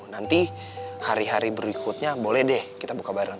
nanti hari hari berikutnya boleh deh kita buka bareng